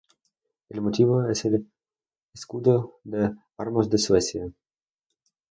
El motivo es el escudo de armas de Suecia.